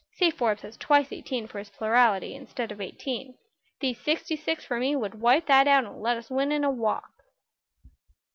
Say Forbes has twice eighteen for his plurality, instead of eighteen; these sixty six for me would wipe that out and let us win in a walk."